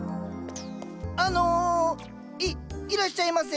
あのいいらっしゃいませ。